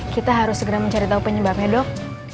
kita harus segera mencari tahu penyebabnya dok